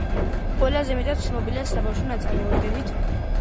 ყველაზე მეტად ცნობილია საბავშვო ნაწარმოებებით.